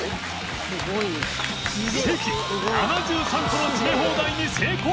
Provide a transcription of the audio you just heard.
禊７３個の詰め放題に成功！